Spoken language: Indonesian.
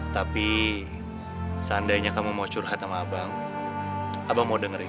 tapi seandainya kamu mau curhat sama abang abang mau dengerin